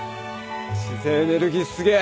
自然エネルギーすげえ！